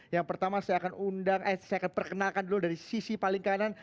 yang pertama saya akan perkenalkan dulu dari sisi paling kanan